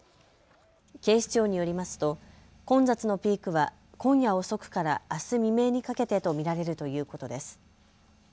警視庁によりますと混雑のピークは今夜遅くからあす未明にかけてと見られるということです。